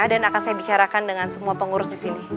dan akan saya bicarakan dengan semua pengurus disini